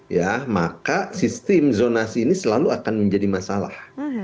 ya maka sistem zonasi ini selalu akan menjadi masalah